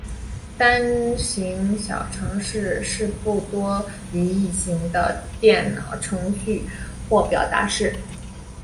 单行小程式是不多于一行的电脑程序或表达式。